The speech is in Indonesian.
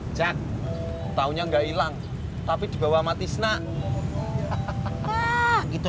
ngeri ngeri ngga mau cerita karyanya nla kerja ini bukti banget ya makasih kang tisna aku tau masih usah my buddy yang bisa samun